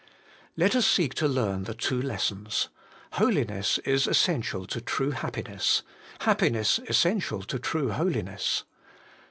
Let us seek to learn the two lessons : Holiness is essential to true happiness ; happiness essential to true holiness.